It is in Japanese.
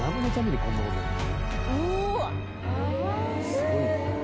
すごいな。